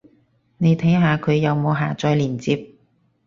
你睇下佢有冇下載連接